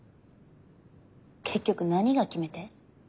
結局何が決め手？